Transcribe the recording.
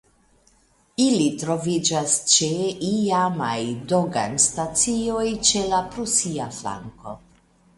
Ili troviĝas ĉe iamaj doganstacioj ĉe la prusia flanko.